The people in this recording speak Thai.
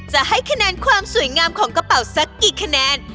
จะให้คะแนนความสวยงามของกระเป๋าสักกี่คะแนน